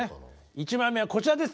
１枚目はこちらです